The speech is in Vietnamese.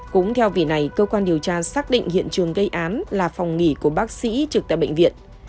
cũng theo vì này cơ quan điều tra xác định hiện trường gây án là phòng nghỉ của bác sĩ trực tại bệnh viện